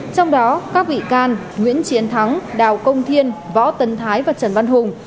trong đó các bị can nguyễn chiến thắng đào công thiên võ tấn thái và trần văn hùng